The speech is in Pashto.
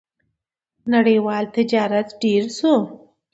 • نړیوال تجارت ډېر شو.